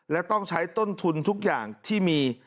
และต้องใช้ต้นทุนทุกอย่างที่มี